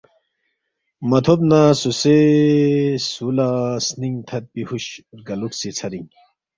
متھوب نہ سوسے سولا سنینگ تھدپی ہُش رگالوکھسی ژھرینگ